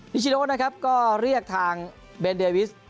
ชิโนนะครับก็เรียกทางเบนเดวิส